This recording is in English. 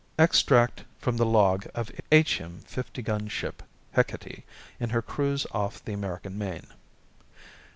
Extract from the log of H.M. fifty gun ship Hecate in her cruise off the American Main.